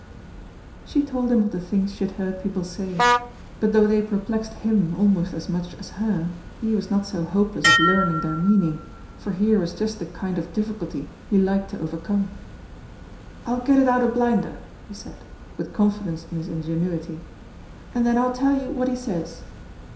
She told him of the things she had heard people say, but though they perplexed him almost as much as her, he was not so hopeless of learning their meaning, for here was just the kind of difficulty he liked to overcome. "I'll get it out o' Blinder," he said, with confidence in his ingenuity, "and then I'll tell you what he says."